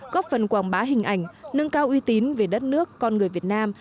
góp phần quảng bá hình ảnh nâng cao uy tín về đất nước con người việt nam